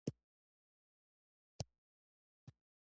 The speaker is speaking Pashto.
هنري ډیویډ تورو دا نظریه مطرح کړه.